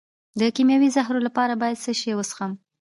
د کیمیاوي زهرو لپاره باید څه شی وڅښم؟